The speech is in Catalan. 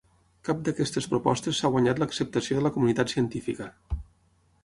Cap d'aquestes propostes s'ha guanyat l'acceptació de la comunitat científica.